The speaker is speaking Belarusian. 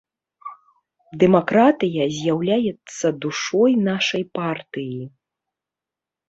Дэмакратыя з'яўляецца душой нашай партыі.